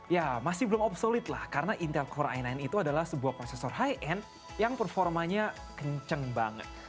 ya masih belum obsolete lah karena intel core i sembilan itu adalah sebuah prosesor high end yang performanya kencang banget